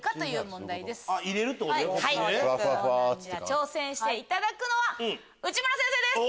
挑戦していただくのは内村先生です。